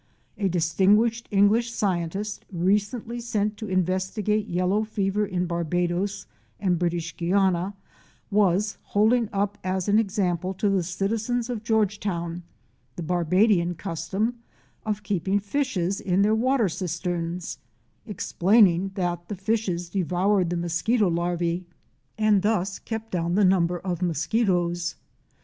A distinguished English scientist, recently sent to inves tigate yellow fever in Barbados and British Guiana, was holding up as an example to the citizens of Georgetown the Barbadian custom of keeping fishes in their water cisterns; explaining that the fishes devoured the mosquito larve and 114 OUR SEARCH FOR A WILDERNESS. thus kept down the number of mosquitoes.